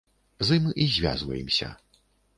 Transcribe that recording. З ім і звязваемся.